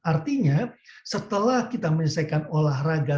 artinya setelah kita menyelesaikan olahraga